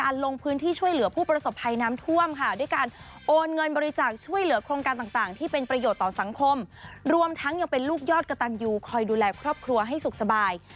รวมทั้งยังเป็นลูกยอดกะตันยูคอยดูแลครอบครัวให้สุขสบาย